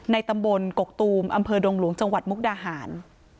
ตำบลกกตูมอำเภอดงหลวงจังหวัดมุกดาหาร